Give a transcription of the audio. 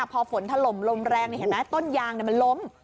พอฝนทะลมลมแรงต้นยางมันล้ม